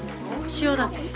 塩だけ。